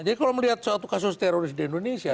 jadi kalau melihat suatu kasus teroris di indonesia